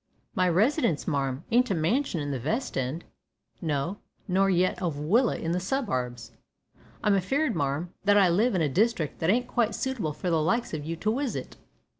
"My residence, marm, ain't a mansion in the vest end. No, nor yet a willa in the subarbs. I'm afear'd, marm, that I live in a district that ain't quite suitable for the likes of you to wisit.